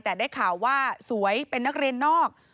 แต่ได้ข่าวว่าสวยเป็นนักเรียนนอก